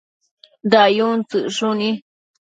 dayun tsëcshuni